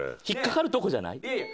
引っかかるとこじゃない？